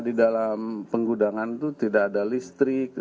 di dalam penggudangan itu tidak ada listrik